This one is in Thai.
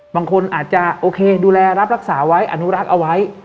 บางคนอาจจะโอเคดูแลรับรักษาไว้อนุรักษ์เอาไว้